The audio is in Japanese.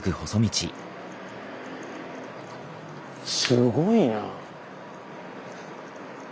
すごいなあ。